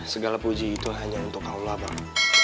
segala puji itu hanya untuk allah bang